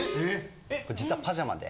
実はパジャマで。